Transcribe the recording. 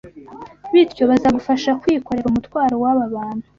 bityo bazagufasha kwikorera umutwaro w’aba bantu.